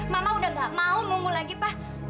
mama udah gak mau nunggu lagi pak